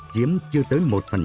chiếm chưa tới một